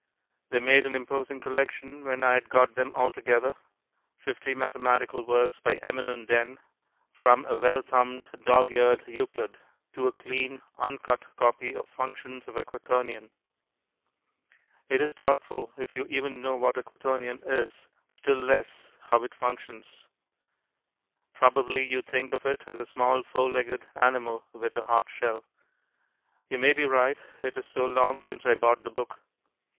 They made an imposing collection when I had got them all together; fifty mathematical works by eminent Den, from a well thumbed, dog's eared Euclid to a clean uncut copy of Functions of a Quaternion. It is doubtful if you even know what a quaternion is, still less how it functions; probably you think of it as a small four legged animal with a hard shell. You may be right it is so long since I bought the book.